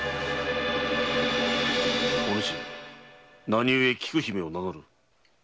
お主何故菊姫を名乗る？